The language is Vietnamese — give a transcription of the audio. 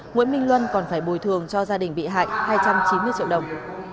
nguyễn minh luân còn phải bồi thường cho gia đình bị hại hai trăm chín mươi triệu đồng